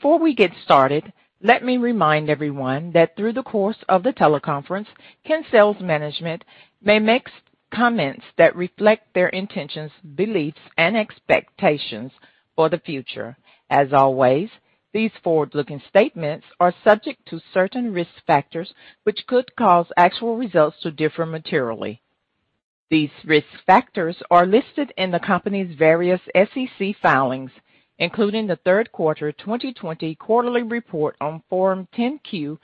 Before we get started, let me remind everyone that through the course of the teleconference, Kinsale's management may make comments that reflect their intentions, beliefs, and expectations for the future. As always, these forward-looking statements are subject to certain risk factors which could cause actual results to differ materially. These risk factors are listed in the company's various SEC filings, including the third quarter 2020 quarterly report on Form 10-Q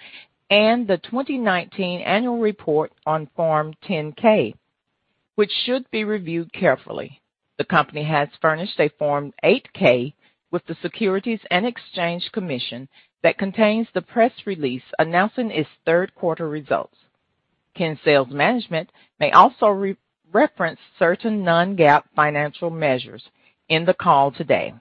and the 2019 annual report on Form 10-K, which should be reviewed carefully. The company has furnished a Form 8-K with the Securities and Exchange Commission that contains the press release announcing its third quarter results. Kinsale's management may also reference certain non-GAAP financial measures in the call today.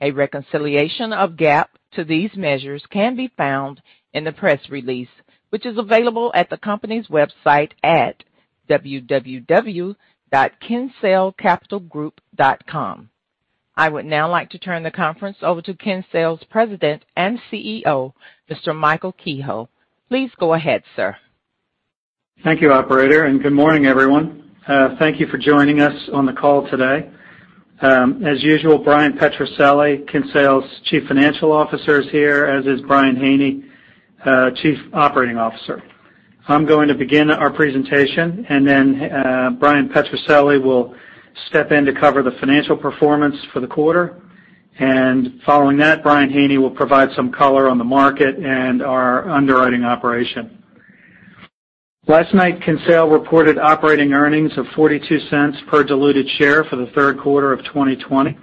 A reconciliation of GAAP to these measures can be found in the press release, which is available at the company's website at www.kinsalecapitalgroup.com. I would now like to turn the conference over to Kinsale's President and CEO, Mr. Michael Kehoe. Please go ahead, sir. Thank you, Operator, and good morning, everyone. Thank you for joining us on the call today. As usual, Bryan Petrucelli, Kinsale's Chief Financial Officer, is here, as is Brian Haney, Chief Operating Officer. I'm going to begin our presentation, then Bryan Petrucelli will step in to cover the financial performance for the quarter. Following that, Brian Haney will provide some color on the market and our underwriting operation. Last night, Kinsale reported operating earnings of $0.42 per diluted share for the third quarter of 2020,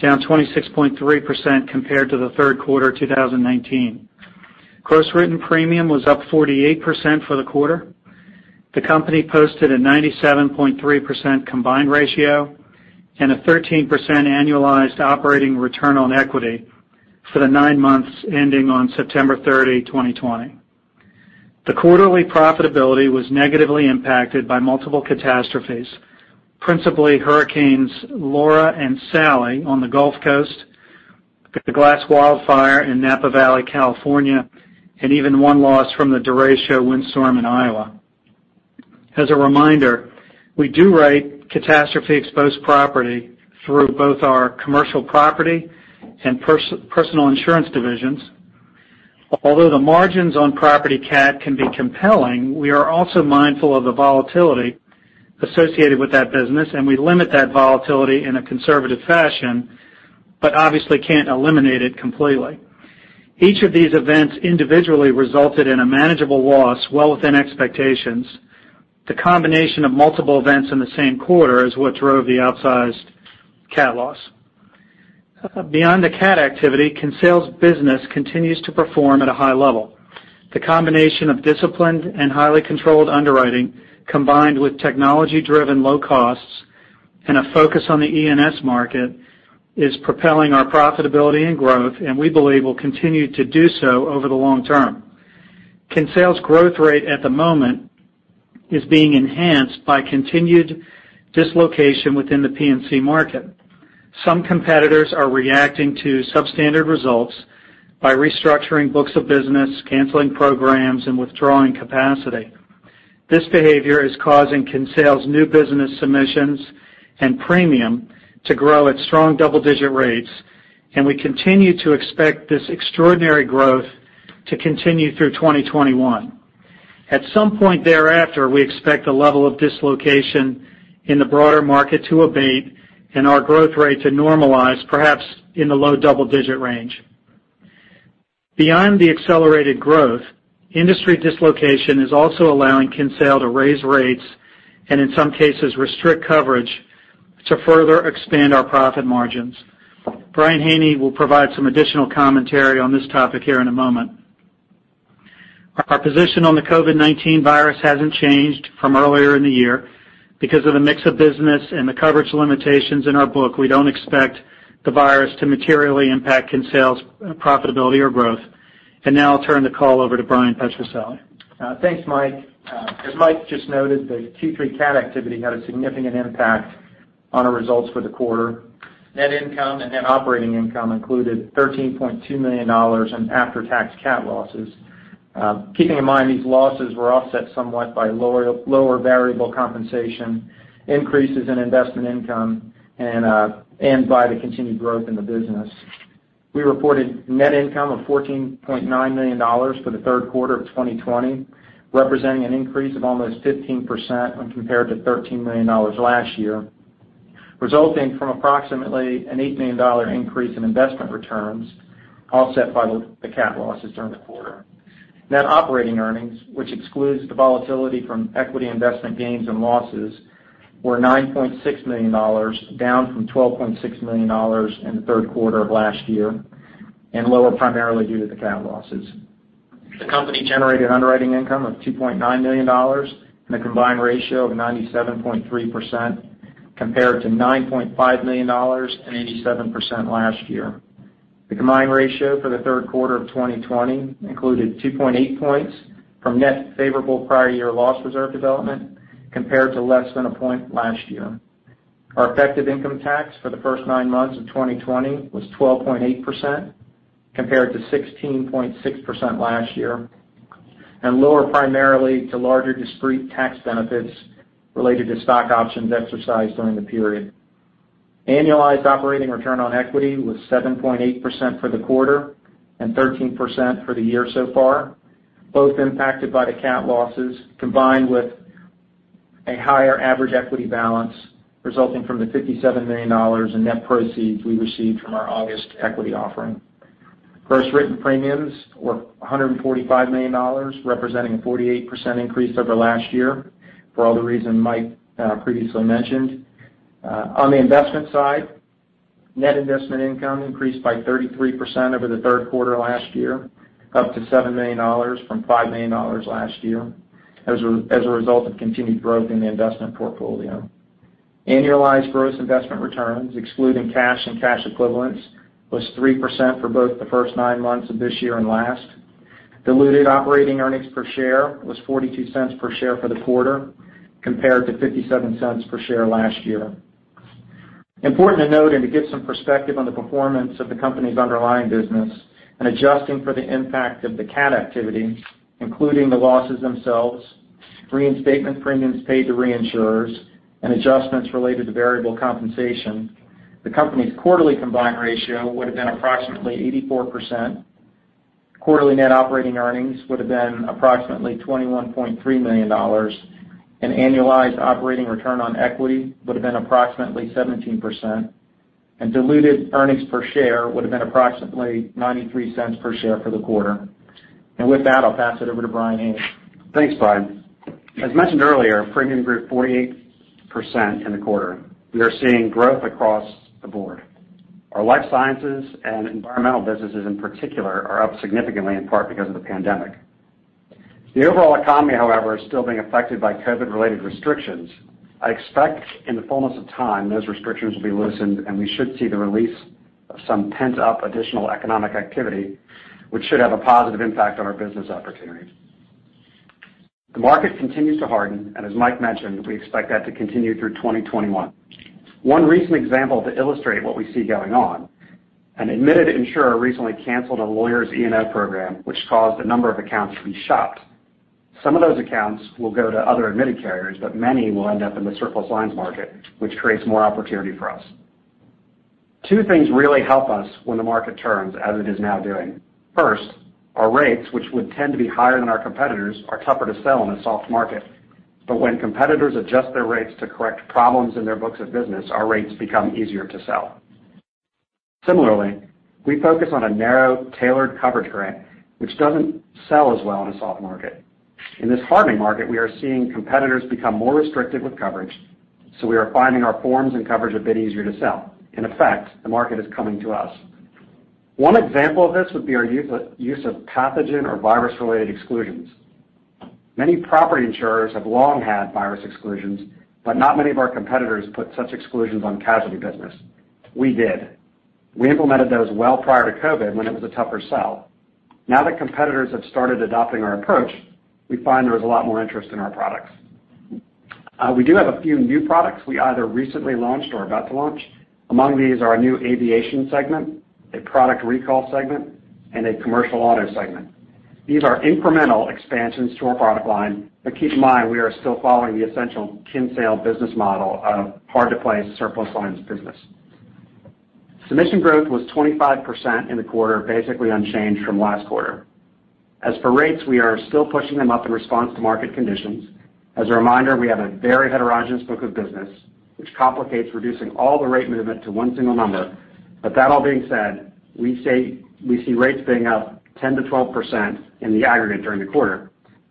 down 26.3% compared to the third quarter of 2019. Gross written premium was up 48% for the quarter. The company posted a 97.3% combined ratio and a 13% annualized operating return on equity for the nine months ending on September 30, 2020. The quarterly profitability was negatively impacted by multiple catastrophes, principally Hurricanes Laura and Sally on the Gulf Coast, the Glass Fire in Napa Valley, California, and even one loss from the Derecho windstorm in Iowa. As a reminder, we do rate catastrophe-exposed property through both our commercial property and personal insurance divisions. Although the margins on property cat can be compelling, we are also mindful of the volatility associated with that business, and we limit that volatility in a conservative fashion but obviously cannot eliminate it completely. Each of these events individually resulted in a manageable loss well within expectations. The combination of multiple events in the same quarter is what drove the outsized cat loss. Beyond the cat activity, Kinsale's business continues to perform at a high level. The combination of disciplined and highly controlled underwriting, combined with technology-driven low costs and a focus on the E&S market, is propelling our profitability and growth, and we believe will continue to do so over the long term. Kinsale's growth rate at the moment is being enhanced by continued dislocation within the P&C market. Some competitors are reacting to substandard results by restructuring books of business, canceling programs, and withdrawing capacity. This behavior is causing Kinsale's new business submissions and premium to grow at strong double-digit rates, and we continue to expect this extraordinary growth to continue through 2021. At some point thereafter, we expect the level of dislocation in the broader market to abate and our growth rate to normalize, perhaps in the low double-digit range. Beyond the accelerated growth, industry dislocation is also allowing Kinsale to raise rates and, in some cases, restrict coverage to further expand our profit margins. Brian Haney will provide some additional commentary on this topic here in a moment. Our position on the COVID-19 virus hasn't changed from earlier in the year. Because of the mix of business and the coverage limitations in our book, we don't expect the virus to materially impact Kinsale's profitability or growth. Now I'll turn the call over to Bryan Petrucelli. Thanks, Mike. As Mike just noted, the Q3 CAT activity had a significant impact on our results for the quarter. Net income and net operating income included $13.2 million in after-tax CAT losses. Keeping in mind these losses were offset somewhat by lower variable compensation, increases in investment income, and by the continued growth in the business. We reported net income of $14.9 million for the third quarter of 2020, representing an increase of almost 15% when compared to $13 million last year, resulting from approximately an $8 million increase in investment returns offset by the CAT losses during the quarter. Net operating earnings, which excludes the volatility from equity investment gains and losses, were $9.6 million, down from $12.6 million in the third quarter of last year, and lower primarily due to the CAT losses. The company generated underwriting income of $2.9 million and a combined ratio of 97.3% compared to $9.5 million and 87% last year. The combined ratio for the third quarter of 2020 included 2.8 percentage points from net favorable prior year loss reserve development compared to less than a point last year. Our effective income tax for the first nine months of 2020 was 12.8% compared to 16.6% last year, and lower primarily due to larger discrete tax benefits related to stock options exercised during the period. Annualized operating return on equity was 7.8% for the quarter and 13% for the year so far, both impacted by the catastrophe losses combined with a higher average equity balance resulting from the $57 million in net proceeds we received from our August equity offering. Gross written premiums were $145 million, representing a 48% increase over last year for all the reasons Mike previously mentioned. On the investment side, net investment income increased by 33% over the third quarter last year, up to $7 million from $5 million last year as a result of continued growth in the investment portfolio. Annualized gross investment returns, excluding cash and cash equivalents, was 3% for both the first nine months of this year and last. Diluted operating earnings per share was $0.42 per share for the quarter compared to $0.57 per share last year. Important to note and to give some perspective on the performance of the company's underlying business and adjusting for the impact of the cap activity, including the losses themselves, reinstatement premiums paid to reinsurers, and adjustments related to variable compensation, the company's quarterly combined ratio would have been approximately 84%. Quarterly net operating earnings would have been approximately $21.3 million. An annualized operating return on equity would have been approximately 17%. Diluted earnings per share would have been approximately $0.93 per share for the quarter. With that, I'll pass it over to Brian Haney. Thanks, Brian. As mentioned earlier, premium grew 48% in the quarter. We are seeing growth across the board. Our life sciences and environmental businesses in particular are up significantly in part because of the pandemic. The overall economy, however, is still being affected by COVID-related restrictions. I expect in the fullness of time those restrictions will be loosened, and we should see the release of some pent-up additional economic activity, which should have a positive impact on our business opportunity. The market continues to harden, and as Mike mentioned, we expect that to continue through 2021. One recent example to illustrate what we see going on: an admitted insurer recently canceled a lawyers E&O program, which caused a number of accounts to be shopped. Some of those accounts will go to other admitted carriers, but many will end up in the surplus lines market, which creates more opportunity for us. Two things really help us when the market turns as it is now doing. First, our rates, which would tend to be higher than our competitors, are tougher to sell in a soft market. When competitors adjust their rates to correct problems in their books of business, our rates become easier to sell. Similarly, we focus on a narrow, tailored coverage grant, which does not sell as well in a soft market. In this hardening market, we are seeing competitors become more restricted with coverage, so we are finding our forms and coverage a bit easier to sell. In effect, the market is coming to us. One example of this would be our use of pathogen or virus-related exclusions. Many property insurers have long had virus exclusions, but not many of our competitors put such exclusions on casualty business. We did. We implemented those well prior to COVID when it was a tougher sell. Now that competitors have started adopting our approach, we find there is a lot more interest in our products. We do have a few new products we either recently launched or are about to launch. Among these are a new aviation segment, a product recall segment, and a commercial auto segment. These are incremental expansions to our product line, but keep in mind we are still following the essential Kinsale business model of hard-to-place surplus lines business. Submission growth was 25% in the quarter, basically unchanged from last quarter. As for rates, we are still pushing them up in response to market conditions. As a reminder, we have a very heterogeneous book of business, which complicates reducing all the rate movement to one single number. All that being said, we see rates being up 10%-12% in the aggregate during the quarter.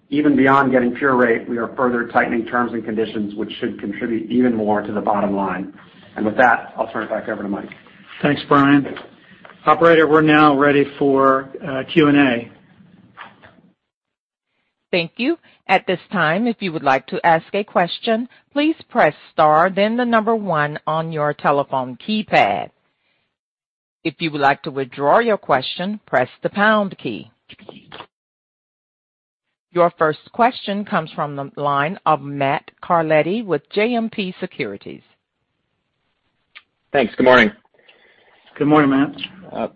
Even beyond getting pure rate, we are further tightening terms and conditions, which should contribute even more to the bottom line. With that, I'll turn it back over to Mike. Thanks, Brian. Operator, we're now ready for Q&A. Thank you. At this time, if you would like to ask a question, please press star, then the number one on your telephone keypad. If you would like to withdraw your question, press the pound key. Your first question comes from the line of Matt Carletti with JMP Securities. Thanks. Good morning. Good morning, Matt.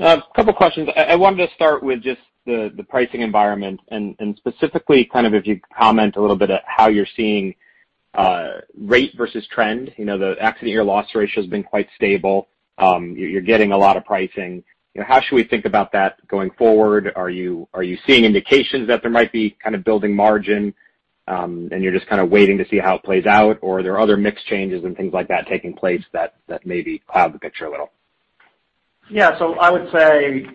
A couple of questions. I wanted to start with just the pricing environment and specifically kind of if you could comment a little bit at how you're seeing rate versus trend. The accident-year loss ratio has been quite stable. You're getting a lot of pricing. How should we think about that going forward? Are you seeing indications that there might be kind of building margin, and you're just kind of waiting to see how it plays out? Are there other mix changes and things like that taking place that maybe cloud the picture a little? Yeah. I would say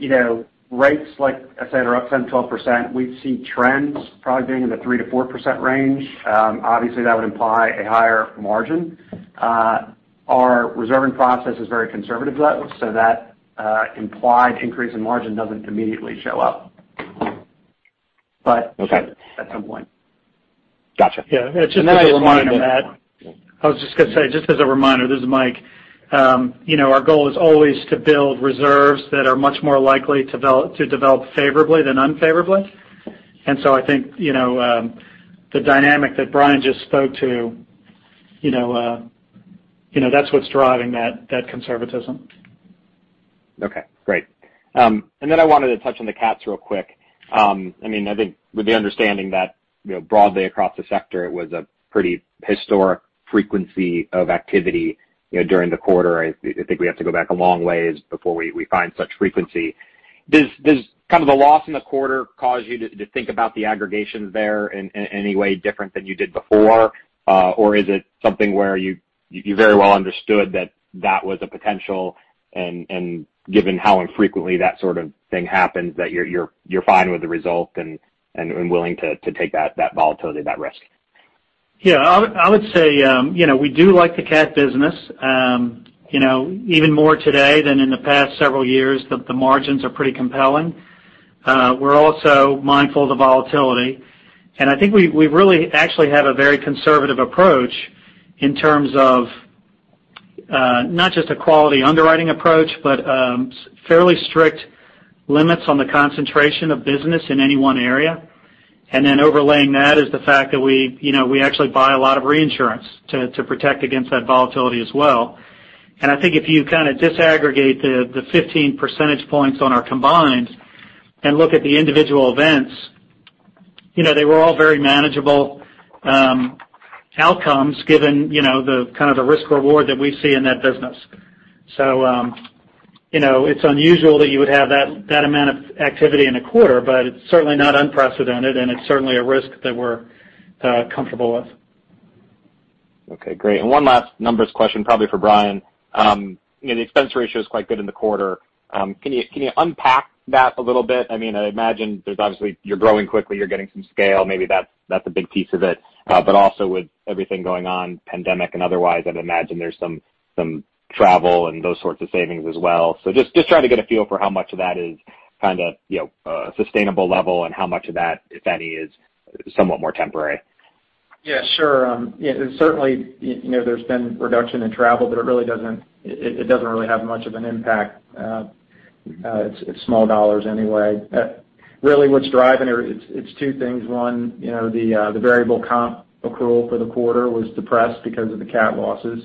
rates like I said are up 10%-12%. We've seen trends probably being in the 3%-4% range. Obviously, that would imply a higher margin. Our reserving process is very conservative, though, so that implied increase in margin doesn't immediately show up, but at some point. Gotcha. Yeah. I just wanted to. That is a reminder, Matt. I was just going to say, just as a reminder, this is Mike. Our goal is always to build reserves that are much more likely to develop favorably than unfavorably. I think the dynamic that Brian just spoke to, that's what's driving that conservatism. Okay. Great. I wanted to touch on the CATs real quick. I mean, I think with the understanding that broadly across the sector, it was a pretty historic frequency of activity during the quarter. I think we have to go back a long ways before we find such frequency. Does kind of the loss in the quarter cause you to think about the aggregation there in any way different than you did before? Is it something where you very well understood that that was a potential and given how infrequently that sort of thing happens that you're fine with the result and willing to take that volatility, that risk? Yeah. I would say we do like the cat business. Even more today than in the past several years, the margins are pretty compelling. We're also mindful of the volatility. I think we really actually have a very conservative approach in terms of not just a quality underwriting approach, but fairly strict limits on the concentration of business in any one area. Overlaying that is the fact that we actually buy a lot of reinsurance to protect against that volatility as well. I think if you kind of disaggregate the 15 percentage points on our combined and look at the individual events, they were all very manageable outcomes given the kind of the risk-reward that we see in that business. It is unusual that you would have that amount of activity in a quarter, but it is certainly not unprecedented, and it is certainly a risk that we are comfortable with. Okay. Great. And one last numbers question probably for Brian. The expense ratio is quite good in the quarter. Can you unpack that a little bit? I mean, I imagine there's obviously you're growing quickly. You're getting some scale. Maybe that's a big piece of it. Also with everything going on, pandemic and otherwise, I'd imagine there's some travel and those sorts of savings as well. Just trying to get a feel for how much of that is kind of a sustainable level and how much of that, if any, is somewhat more temporary. Yeah. Sure. Certainly, there's been reduction in travel, but it doesn't really have much of an impact. It's small dollars anyway. Really, what's driving it, it's two things. One, the variable comp accrual for the quarter was depressed because of the cat losses.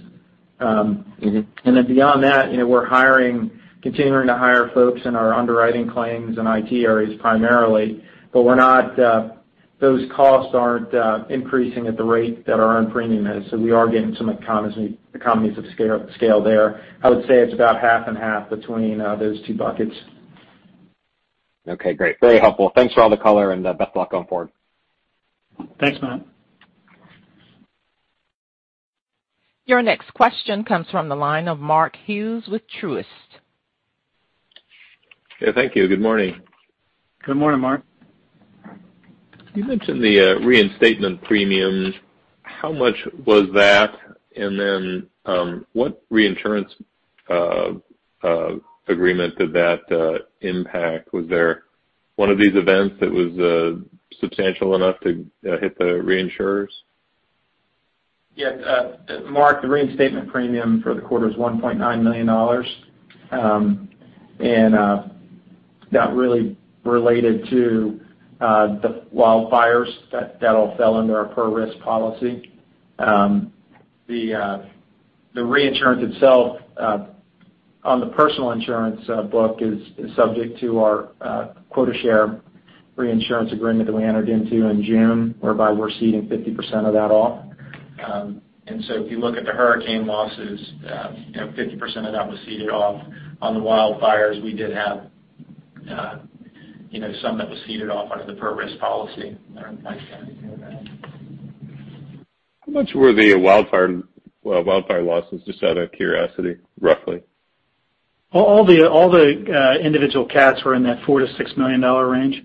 And then beyond that, we're continuing to hire folks in our underwriting claims and IT areas primarily, but those costs aren't increasing at the rate that our own premium is. So we are getting some economies of scale there. I would say it's about half and half between those two buckets. Okay. Great. Very helpful. Thanks for all the color and best of luck going forward. Thanks, Matt. Your next question comes from the line of Mark Hughes with Truist. Yeah. Thank you. Good morning. Good morning, Mark. You mentioned the reinstatement premium. How much was that? What reinsurance agreement did that impact? Was there one of these events that was substantial enough to hit the reinsurers? Yeah. Mark, the reinstatement premium for the quarter is $1.9 million. That really related to the wildfires that all fell under our per-risk policy. The reinsurance itself on the personal insurance book is subject to our quota share reinsurance agreement that we entered into in June, whereby we're ceding 50% of that off. If you look at the hurricane losses, 50% of that was ceded off. On the wildfires, we did have some that were ceded off under the per-risk policy. I don't know if Mike's got anything on that. How much were the wildfire losses? Just out of curiosity, roughly. All the individual caps were in that $4 million-$6 million range.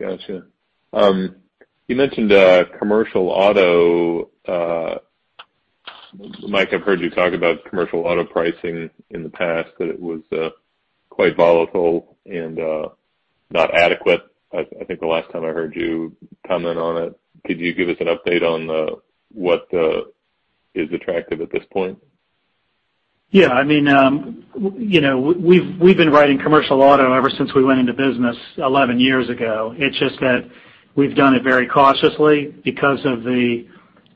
Gotcha. You mentioned commercial auto. Mike, I've heard you talk about commercial auto pricing in the past, that it was quite volatile and not adequate. I think the last time I heard you comment on it. Could you give us an update on what is attractive at this point? Yeah. I mean, we've been writing commercial auto ever since we went into business 11 years ago. It's just that we've done it very cautiously because of the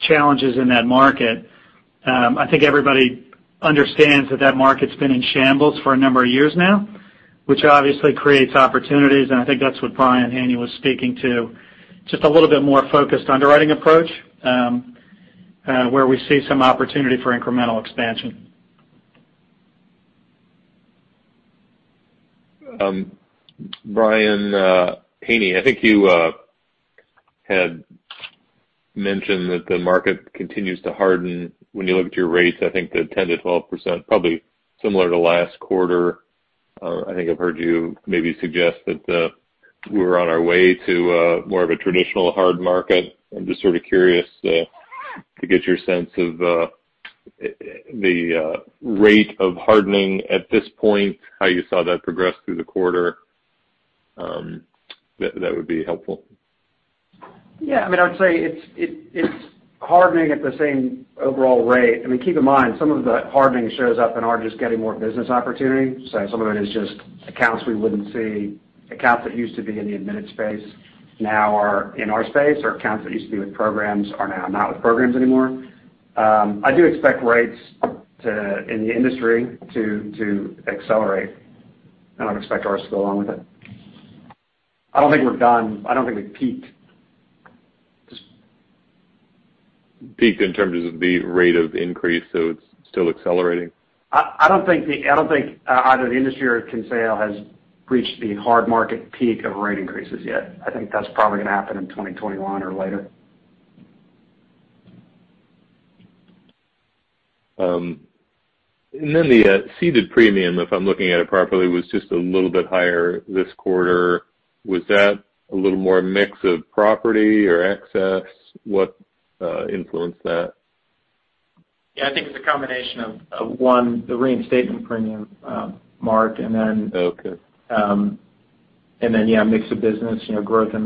challenges in that market. I think everybody understands that that market's been in shambles for a number of years now, which obviously creates opportunities. I think that's what Brian Haney was speaking to, just a little bit more focused underwriting approach where we see some opportunity for incremental expansion. Brian Haney, I think you had mentioned that the market continues to harden. When you look at your rates, I think the 10%-12%, probably similar to last quarter. I think I've heard you maybe suggest that we're on our way to more of a traditional hard market. I'm just sort of curious to get your sense of the rate of hardening at this point, how you saw that progress through the quarter. That would be helpful. Yeah. I mean, I would say it's hardening at the same overall rate. I mean, keep in mind, some of the hardening shows up in our just getting more business opportunity. Some of it is just accounts we wouldn't see, accounts that used to be in the admitted space now are in our space, or accounts that used to be with programs are now not with programs anymore. I do expect rates in the industry to accelerate, and I would expect ours to go along with it. I don't think we're done. I don't think we've peaked. Peaked in terms of the rate of increase, so it's still accelerating? I don't think either the industry or Kinsale has reached the hard market peak of rate increases yet. I think that's probably going to happen in 2021 or later. The seeded premium, if I'm looking at it properly, was just a little bit higher this quarter. Was that a little more mix of property or excess? What influenced that? Yeah. I think it's a combination of one, the reinstatement premium, Mark, and then, yeah, mix of business, growth in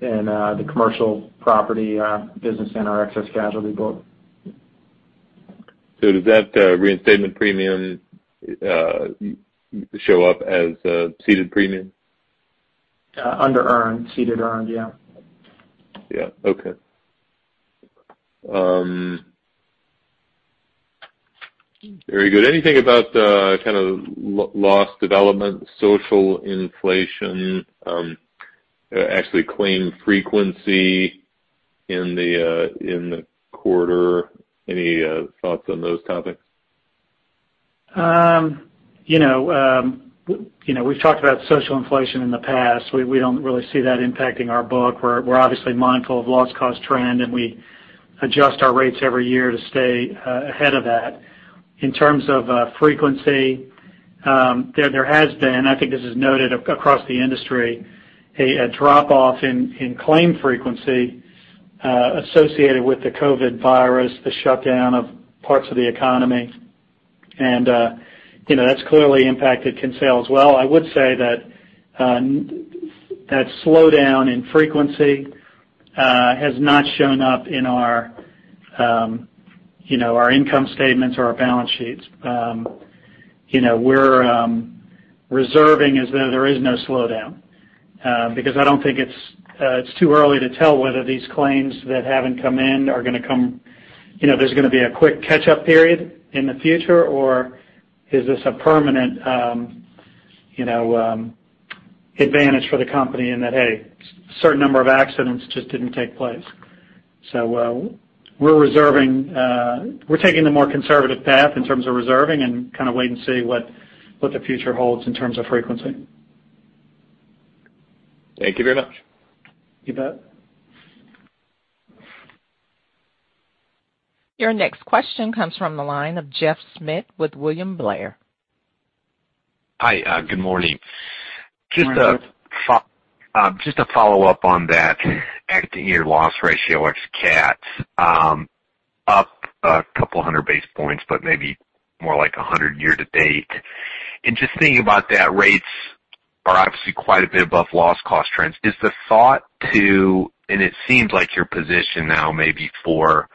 the commercial property business and our excess casualty book. Does that reinstatement premium show up as ceded premium? Under-earned, ceded-earned, yeah. Yeah. Okay. Very good. Anything about kind of loss development, social inflation, actually claim frequency in the quarter? Any thoughts on those topics? We've talked about social inflation in the past. We don't really see that impacting our book. We're obviously mindful of loss-cost trend, and we adjust our rates every year to stay ahead of that. In terms of frequency, there has been, I think this is noted across the industry, a drop-off in claim frequency associated with the COVID virus, the shutdown of parts of the economy. That has clearly impacted Kinsale as well. I would say that that slowdown in frequency has not shown up in our income statements or our balance sheets. We're reserving as though there is no slowdown because I don't think it's too early to tell whether these claims that haven't come in are going to come, there's going to be a quick catch-up period in the future, or is this a permanent advantage for the company in that, hey, a certain number of accidents just didn't take place. So we're reserving. We're taking the more conservative path in terms of reserving and kind of wait and see what the future holds in terms of frequency. Thank you very much. You bet. Your next question comes from the line of Jeff Schmitt with William Blair. Hi. Good morning. Just a follow-up on that accident-year loss ratio, XCAT, up a couple hundred basis points, but maybe more like 100 year to date. Just thinking about that, rates are obviously quite a bit above loss-cost trends. Is the thought to—and it seems like your position now may be for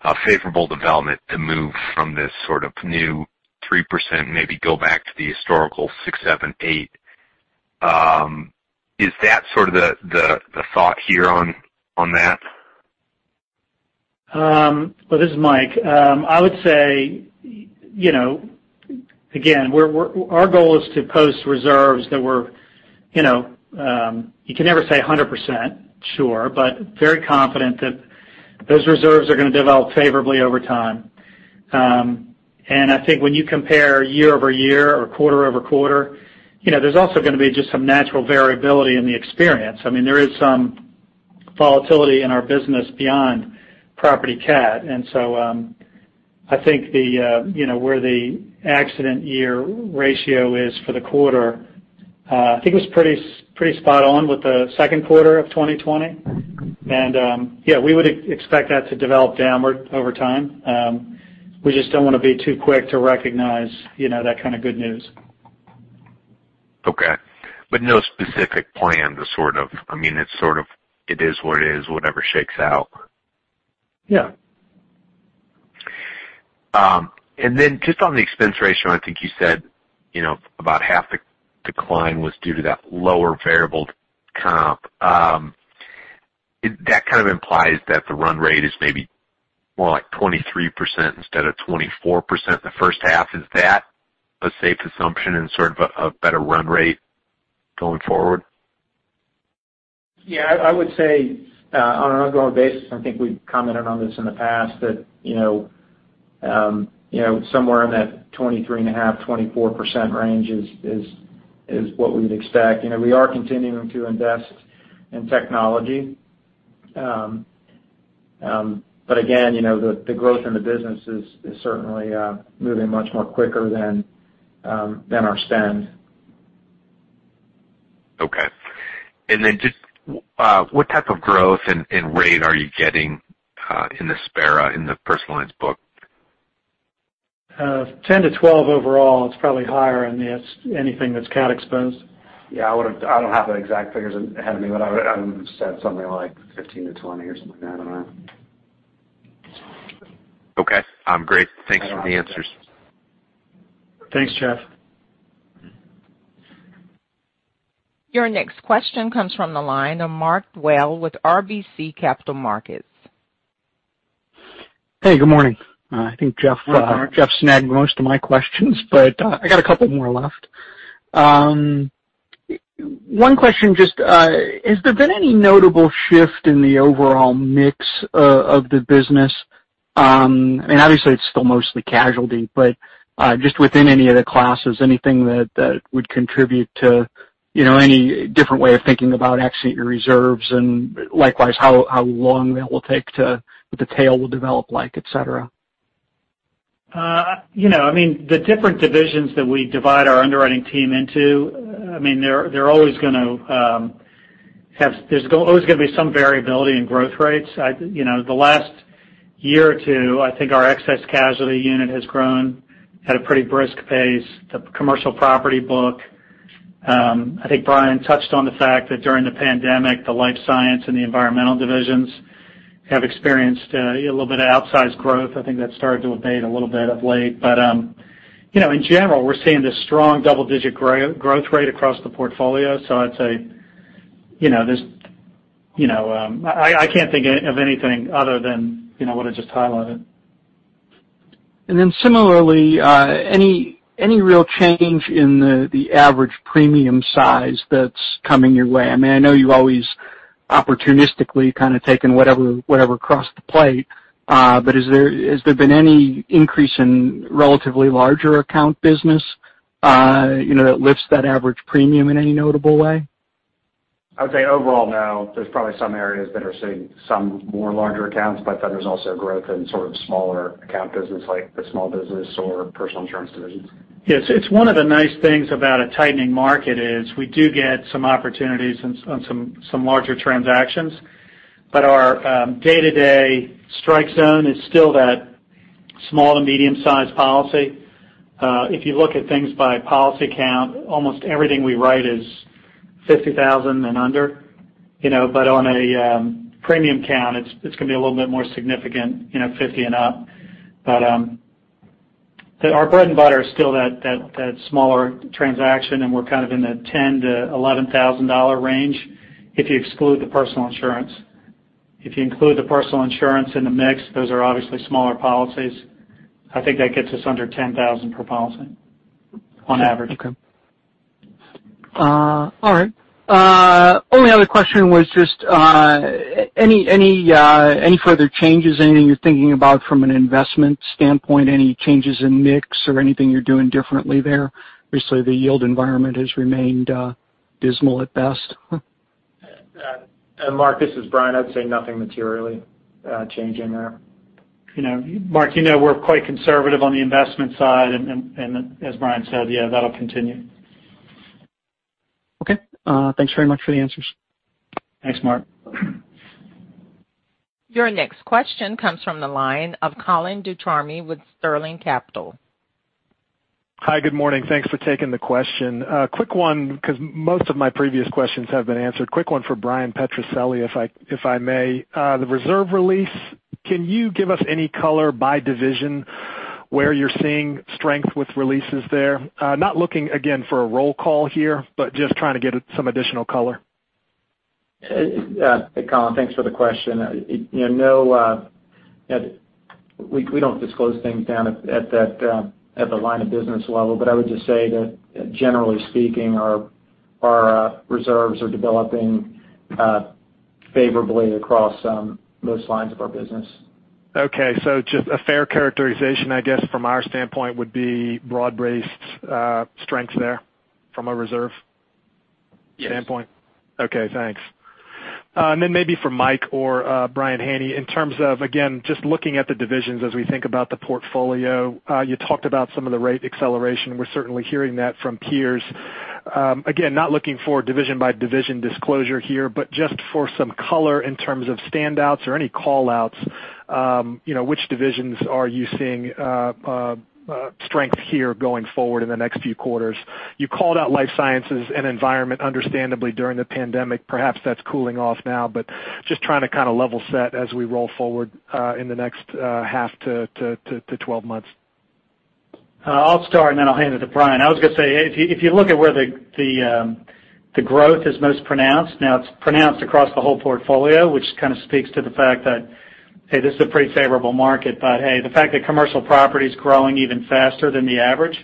a favorable development to move from this sort of new 3%, maybe go back to the historical 6%-7%-8%. Is that sort of the thought here on that? This is Mike. I would say, again, our goal is to post reserves that we're—you can never say 100% sure, but very confident that those reserves are going to develop favorably over time. I think when you compare year over year or quarter over quarter, there's also going to be just some natural variability in the experience. I mean, there is some volatility in our business beyond property cap. I think where the accident-year ratio is for the quarter, I think it was pretty spot-on with the second quarter of 2020. Yeah, we would expect that to develop downward over time. We just do not want to be too quick to recognize that kind of good news. Okay. No specific plan to sort of—I mean, it is what it is, whatever shakes out. Yeah. Just on the expense ratio, I think you said about half the decline was due to that lower variable comp. That kind of implies that the run rate is maybe more like 23% instead of 24%. The first half, is that a safe assumption and sort of a better run rate going forward? Yeah. I would say on an ongoing basis, I think we've commented on this in the past, that somewhere in that 23.5%-24% range is what we'd expect. We are continuing to invest in technology. Again, the growth in the business is certainly moving much more quicker than our spend. Okay. And then just what type of growth and rate are you getting in the Sparrow in the personal lines book? 10%-12% overall. It's probably higher in anything that's CAT-exposed. Yeah. I don't have the exact figures in front of me, but I would have said something like 15%-20% or something like that. I don't know. Okay. Great. Thanks for the answers. Thanks, Jeff. Your next question comes from the line of Mark Dwelle with RBC Capital Markets. Hey, good morning. I think Jeff snagged most of my questions, but I got a couple more left. One question just: has there been any notable shift in the overall mix of the business? I mean, obviously, it's still mostly casualty, but just within any of the classes, anything that would contribute to any different way of thinking about accident-year reserves and likewise how long that will take to what the tail will develop like, etc.? I mean, the different divisions that we divide our underwriting team into, I mean, they're always going to have, there's always going to be some variability in growth rates. The last year or two, I think our excess casualty unit has grown at a pretty brisk pace. The commercial property book, I think Brian touched on the fact that during the pandemic, the life science and the environmental divisions have experienced a little bit of outsized growth. I think that started to abate a little bit of late. In general, we're seeing this strong double-digit growth rate across the portfolio. I'd say there's, I can't think of anything other than what I just highlighted. Similarly, any real change in the average premium size that's coming your way? I mean, I know you've always opportunistically kind of taken whatever crossed the plate, but has there been any increase in relatively larger account business that lifts that average premium in any notable way? I would say overall, no. There's probably some areas that are seeing some more larger accounts, but then there's also growth in sort of smaller account business like the small business or personal insurance divisions. Yeah. It's one of the nice things about a tightening market is we do get some opportunities on some larger transactions, but our day-to-day strike zone is still that small to medium-sized policy. If you look at things by policy count, almost everything we write is $50,000 and under. On a premium count, it's going to be a little bit more significant, $50,000 and up. Our bread and butter is still that smaller transaction, and we're kind of in the $10,000-$11,000 range if you exclude the personal insurance. If you include the personal insurance in the mix, those are obviously smaller policies. I think that gets us under $10,000 per policy on average. Okay. All right. Only other question was just any further changes, anything you're thinking about from an investment standpoint, any changes in mix or anything you're doing differently there? Obviously, the yield environment has remained dismal at best. Mark, this is Brian. I'd say nothing materially changing there. Mark, you know we're quite conservative on the investment side, and as Brian said, yeah, that'll continue. Okay. Thanks very much for the answers. Thanks, Mark. Your next question comes from the line of Colin Ducharme with Sterling Capital. Hi. Good morning. Thanks for taking the question. Quick one because most of my previous questions have been answered. Quick one for Bryan Petrucelli, if I may. The reserve release, can you give us any color by division where you're seeing strength with releases there? Not looking, again, for a roll call here, but just trying to get some additional color. Hey, Colin, thanks for the question. We don't disclose things down at the line of business level, but I would just say that generally speaking, our reserves are developing favorably across most lines of our business. Okay. Just a fair characterization, I guess, from our standpoint would be broad-based strengths there from a reserve standpoint. Yes. Okay. Thanks. Maybe for Mike or Brian Haney, in terms of, again, just looking at the divisions as we think about the portfolio, you talked about some of the rate acceleration. We're certainly hearing that from peers. Not looking for division-by-division disclosure here, but just for some color in terms of standouts or any callouts, which divisions are you seeing strength here going forward in the next few quarters? You called out life sciences and environment, understandably, during the pandemic. Perhaps that's cooling off now, but just trying to kind of level set as we roll forward in the next half to 12 months. I'll start, and then I'll hand it to Brian. I was going to say, if you look at where the growth is most pronounced, now it's pronounced across the whole portfolio, which kind of speaks to the fact that, hey, this is a pretty favorable market, but hey, the fact that commercial property is growing even faster than the average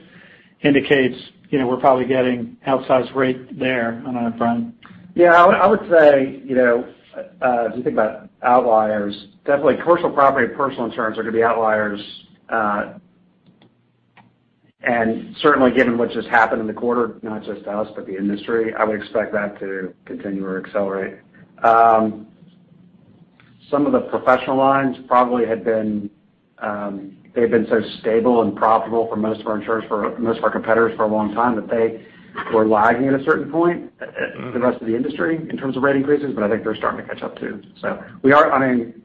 indicates we're probably getting outsized rate there. I don't know, Brian. Yeah. I would say if you think about outliers, definitely commercial property and personal insurance are going to be outliers. Certainly, given what just happened in the quarter, not just us, but the industry, I would expect that to continue or accelerate. Some of the professional lines probably had been—they've been so stable and profitable for most of our insurers, for most of our competitors for a long time that they were lagging at a certain point the rest of the industry in terms of rate increases, but I think they're starting to catch up too. We are—I mean,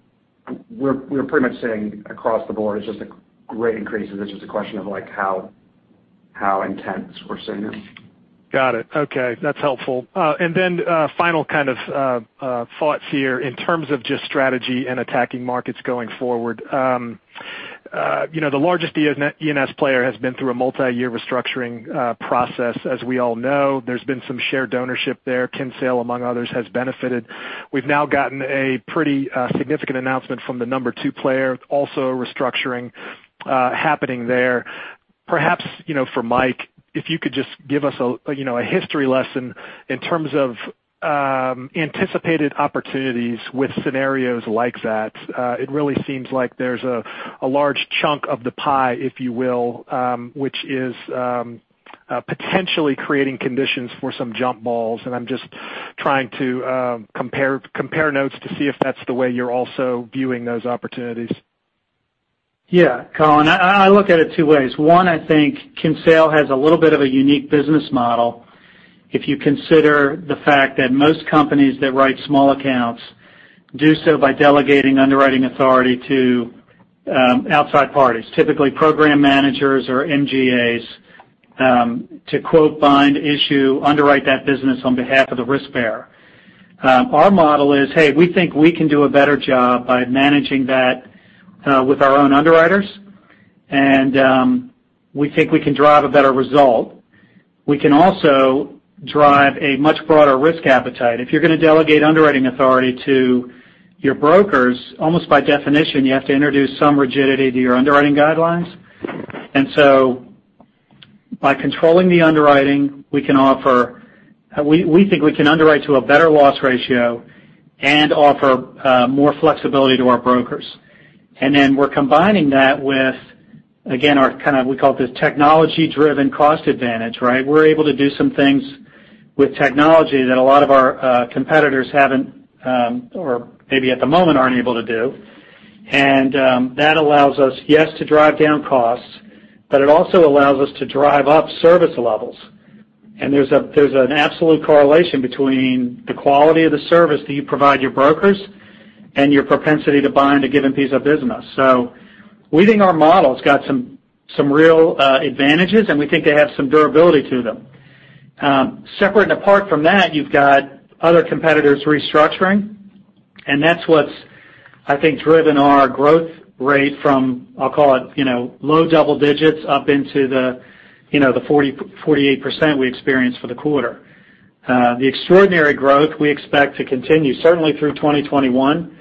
we're pretty much seeing across the board, it's just rate increases. It's just a question of how intense we're seeing them. Got it. Okay. That's helpful. Final kind of thoughts here in terms of just strategy and attacking markets going forward. The largest E&S player has been through a multi-year restructuring process, as we all know. There's been some shared ownership there. Kinsale, among others, has benefited. We've now gotten a pretty significant announcement from the number two player, also restructuring happening there. Perhaps for Mike, if you could just give us a history lesson in terms of anticipated opportunities with scenarios like that. It really seems like there's a large chunk of the pie, if you will, which is potentially creating conditions for some jump balls. I'm just trying to compare notes to see if that's the way you're also viewing those opportunities. Yeah, Colin. I look at it two ways. One, I think Kinsale has a little bit of a unique business model if you consider the fact that most companies that write small accounts do so by delegating underwriting authority to outside parties, typically program managers or MGAs, to quote, bind, issue, underwrite that business on behalf of the risk bearer. Our model is, hey, we think we can do a better job by managing that with our own underwriters, and we think we can drive a better result. We can also drive a much broader risk appetite. If you're going to delegate underwriting authority to your brokers, almost by definition, you have to introduce some rigidity to your underwriting guidelines. By controlling the underwriting, we can offer—we think we can underwrite to a better loss ratio and offer more flexibility to our brokers. We're combining that with, again, our kind of—we call it the technology-driven cost advantage, right? We're able to do some things with technology that a lot of our competitors have not or maybe at the moment are not able to do. That allows us, yes, to drive down costs, but it also allows us to drive up service levels. There is an absolute correlation between the quality of the service that you provide your brokers and your propensity to buy into a given piece of business. We think our model's got some real advantages, and we think they have some durability to them. Separate and apart from that, you have got other competitors restructuring, and that is what, I think, has driven our growth rate from, I will call it, low double digits up into the 48% we experienced for the quarter. The extraordinary growth we expect to continue certainly through 2021.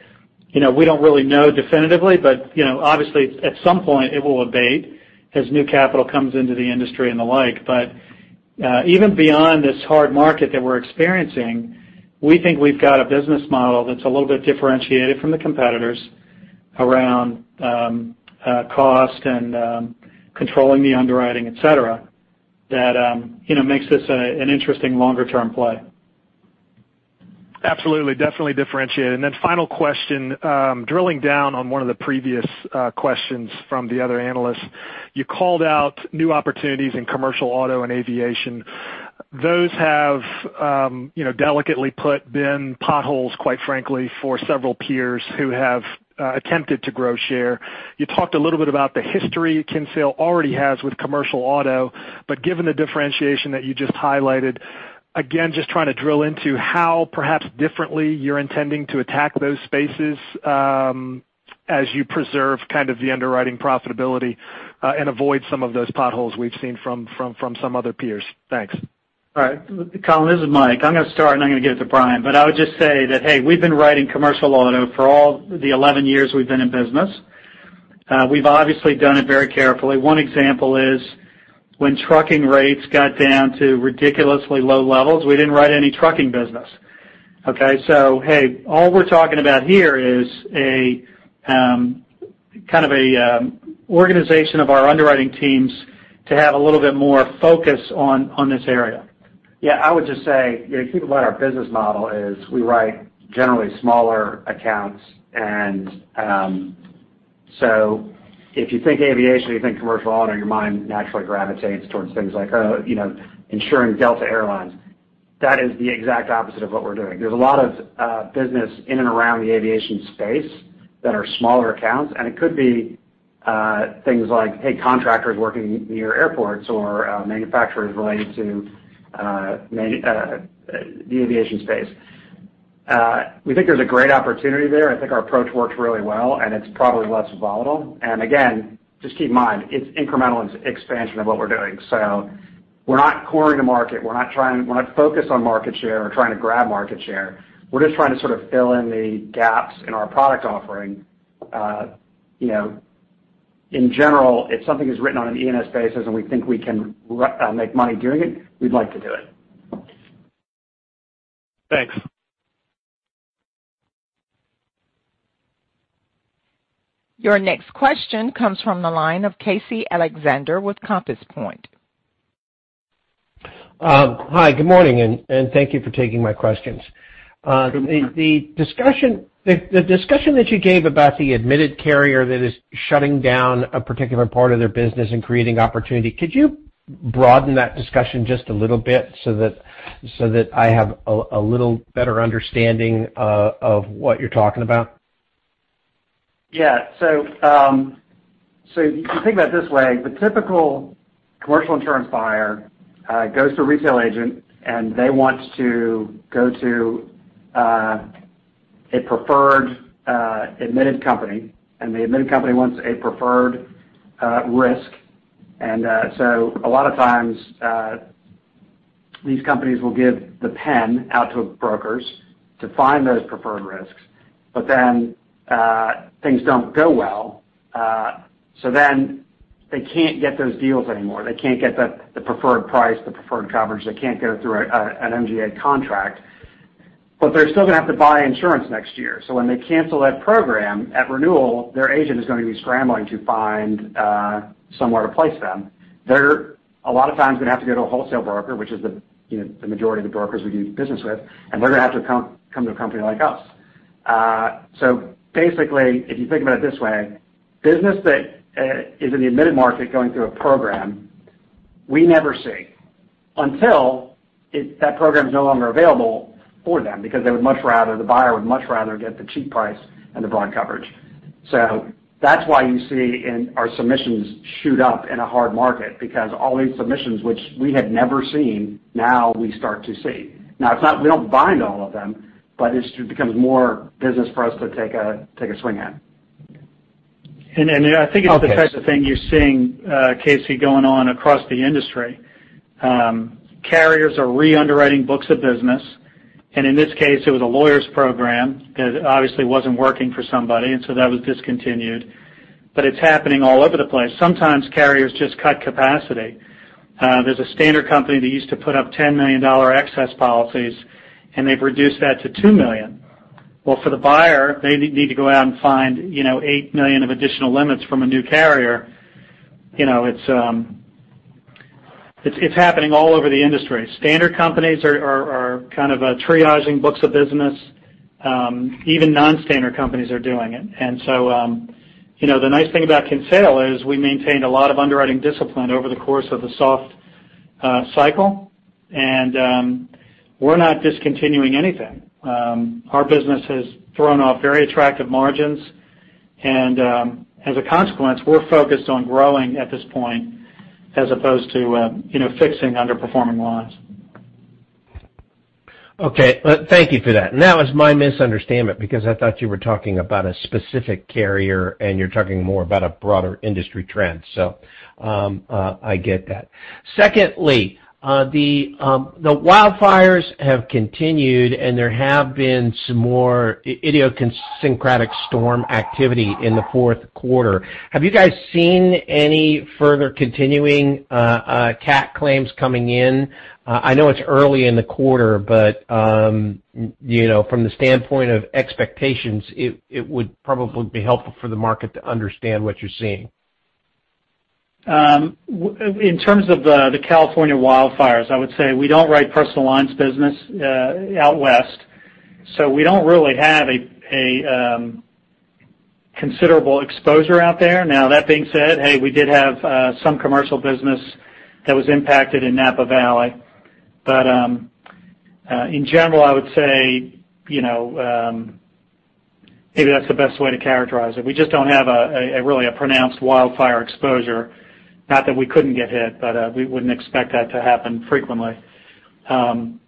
We don't really know definitively, but obviously, at some point, it will abate as new capital comes into the industry and the like. Even beyond this hard market that we're experiencing, we think we've got a business model that's a little bit differentiated from the competitors around cost and controlling the underwriting, etc., that makes this an interesting longer-term play. Absolutely. Definitely differentiated. Then final question, drilling down on one of the previous questions from the other analysts. You called out new opportunities in commercial auto and aviation. Those have, delicately put, been potholes, quite frankly, for several peers who have attempted to grow share. You talked a little bit about the history Kinsale already has with commercial auto, but given the differentiation that you just highlighted, again, just trying to drill into how perhaps differently you're intending to attack those spaces as you preserve kind of the underwriting profitability and avoid some of those potholes we've seen from some other peers. Thanks. All right. Colin, this is Mike. I'm going to start, and I'm going to give it to Brian. I would just say that, hey, we've been writing commercial auto for all the 11 years we've been in business. We've obviously done it very carefully. One example is when trucking rates got down to ridiculously low levels, we didn't write any trucking business. Okay? All we're talking about here is kind of an organization of our underwriting teams to have a little bit more focus on this area. Yeah. I would just say, if you think about our business model, we write generally smaller accounts. If you think aviation, you think commercial auto, your mind naturally gravitates towards things like insuring Delta Airlines. That is the exact opposite of what we're doing. There's a lot of business in and around the aviation space that are smaller accounts, and it could be things like, hey, contractors working near airports or manufacturers related to the aviation space. We think there's a great opportunity there. I think our approach works really well, and it's probably less volatile. Again, just keep in mind, it's incremental expansion of what we're doing. We're not cornering the market. We're not focused on market share or trying to grab market share. We're just trying to sort of fill in the gaps in our product offering. In general, if something is written on an E&S basis and we think we can make money doing it, we'd like to do it. Thanks. Your next question comes from the line of Casey Alexander with Compass Point. Hi. Good morning, and thank you for taking my questions. Good morning. The discussion that you gave about the admitted carrier that is shutting down a particular part of their business and creating opportunity, could you broaden that discussion just a little bit so that I have a little better understanding of what you're talking about? Yeah. You can think about it this way. The typical commercial insurance buyer goes to a retail agent, and they want to go to a preferred admitted company, and the admitted company wants a preferred risk. A lot of times, these companies will give the pen out to brokers to find those preferred risks, but then things do not go well. They cannot get those deals anymore. They cannot get the preferred price, the preferred coverage. They cannot go through an MGA contract. They are still going to have to buy insurance next year. When they cancel that program at renewal, their agent is going to be scrambling to find somewhere to place them. They're a lot of times going to have to go to a wholesale broker, which is the majority of the brokers we do business with, and they're going to have to come to a company like us. Basically, if you think about it this way, business that is in the admitted market going through a program, we never see until that program is no longer available for them because they would much rather—the buyer would much rather get the cheap price and the broad coverage. That is why you see our submissions shoot up in a hard market because all these submissions, which we had never seen, now we start to see. Now, it's not we don't bind all of them, but it becomes more business for us to take a swing at. I think it's the same thing you're seeing, Casey, going on across the industry. Carriers are re-underwriting books of business. In this case, it was a lawyers E&O program that obviously wasn't working for somebody, and so that was discontinued. It's happening all over the place. Sometimes carriers just cut capacity. There's a standard company that used to put up $10 million excess policies, and they've reduced that to $2 million. For the buyer, they need to go out and find $8 million of additional limits from a new carrier. It's happening all over the industry. Standard companies are kind of triaging books of business. Even non-standard companies are doing it. The nice thing about Kinsale is we maintained a lot of underwriting discipline over the course of the soft cycle, and we're not discontinuing anything. Our business has thrown off very attractive margins, and as a consequence, we're focused on growing at this point as opposed to fixing underperforming lines. Thank you for that. That was my misunderstanding because I thought you were talking about a specific carrier, and you're talking more about a broader industry trend. I get that. Secondly, the wildfires have continued, and there have been some more idiosyncratic storm activity in the fourth quarter. Have you guys seen any further continuing CAT claims coming in? I know it's early in the quarter, but from the standpoint of expectations, it would probably be helpful for the market to understand what you're seeing. In terms of the California wildfires, I would say we don't write personal lines business out west, so we don't really have a considerable exposure out there. Now, that being said, hey, we did have some commercial business that was impacted in Napa Valley. In general, I would say maybe that's the best way to characterize it. We just don't have really a pronounced wildfire exposure, not that we couldn't get hit, but we wouldn't expect that to happen frequently. I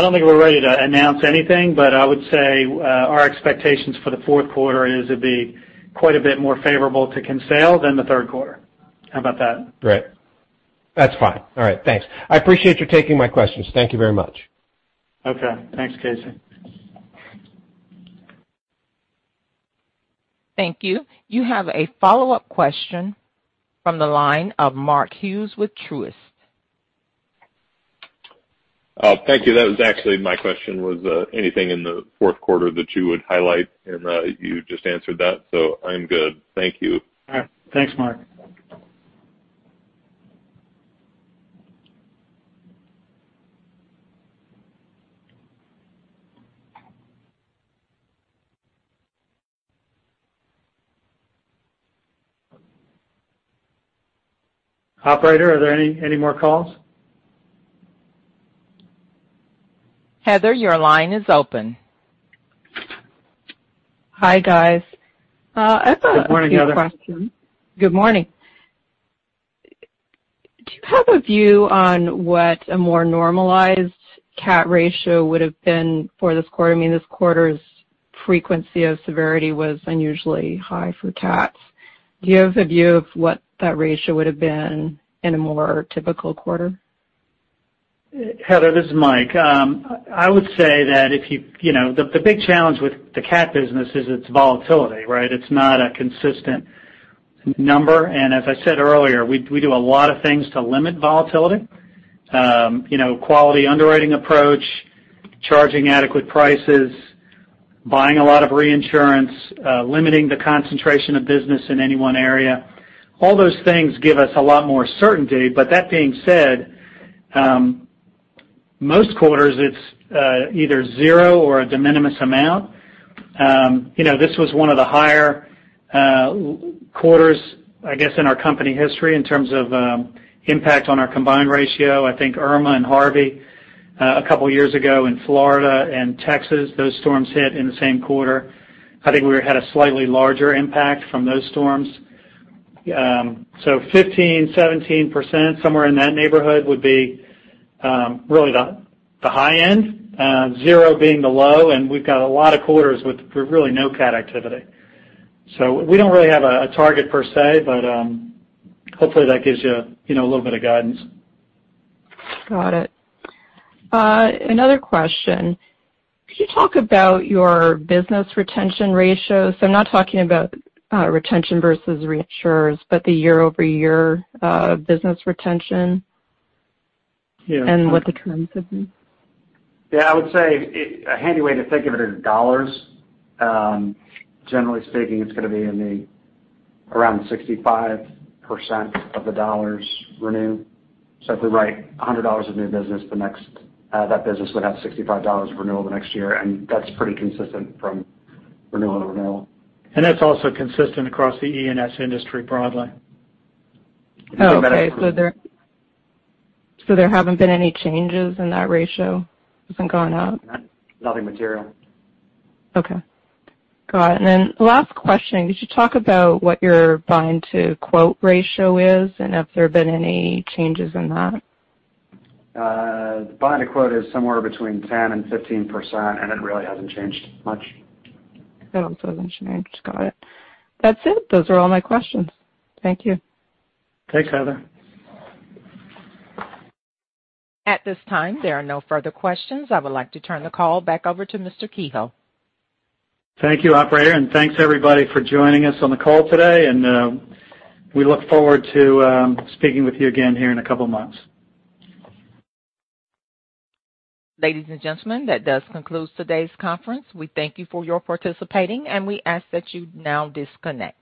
don't think we're ready to announce anything, but I would say our expectations for the fourth quarter is it'd be quite a bit more favorable to Kinsale than the third quarter. How about that? Right. That's fine. All right. Thanks. I appreciate your taking my questions. Thank you very much. Okay. Thanks, Casey. Thank you. You have a follow-up question from the line of Mark Hughes with Truist. Oh, thank you. That was actually my question. Was anything in the fourth quarter that you would highlight, and you just answered that, so I'm good. Thank you. All right. Thanks, Mark. Operator. Are there any more calls? Heather, your line is open. Hi, guys. Good morning, Heather. Good morning. Do you have a view on what a more normalized CAT ratio would have been for this quarter? I mean, this quarter's frequency of severity was unusually high for CATs. Do you have a view of what that ratio would have been in a more typical quarter? Heather, this is Mike. I would say that if you—the big challenge with the CAT business is its volatility, right? It's not a consistent number. As I said earlier, we do a lot of things to limit volatility: quality underwriting approach, charging adequate prices, buying a lot of reinsurance, limiting the concentration of business in any one area. All those things give us a lot more certainty. That being said, most quarters, it's either zero or a de minimis amount. This was one of the higher quarters, I guess, in our company history in terms of impact on our combined ratio. I think Irma and Harvey, a couple of years ago in Florida and Texas, those storms hit in the same quarter. I think we had a slightly larger impact from those storms. Fifteen, seventeen percent, somewhere in that neighborhood would be really the high end, zero being the low. We have a lot of quarters with really no CAT activity. We do not really have a target per se, but hopefully, that gives you a little bit of guidance. Got it. Another question. Could you talk about your business retention ratios? I am not talking about retention versus reinsurers, but the year-over-year business retention and what the trends have been? Yeah. I would say a handy way to think of it in dollars, generally speaking, it's going to be around 65% of the dollars renew. If we write $100 of new business, that business would have $65 renewal the next year. That's pretty consistent from renewal to renewal. That is also consistent across the E&S industry broadly. Okay. There have not been any changes in that ratio? It has not gone up? Nothing material. Okay. Got it. Last question. Could you talk about what your buying-to-quote ratio is and if there have been any changes in that? The buying-to-quote is somewhere between 10% and 15%, and it really hasn't changed much. That also hasn't changed. Got it. That's it. Those are all my questions. Thank you. Thanks, Heather. At this time, there are no further questions. I would like to turn the call back over to Mr. Kehoe. Thank you, operator. Thank you, everybody, for joining us on the call today. We look forward to speaking with you again here in a couple of months. Ladies and gentlemen, that does conclude today's conference. We thank you for your participating, and we ask that you now disconnect.